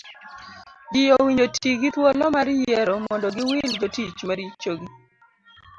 Ji owinjo ti gi thuolo mar yiero mondo giwil jotich maricho gi